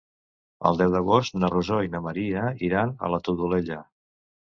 El deu d'agost na Rosó i na Maria iran a la Todolella.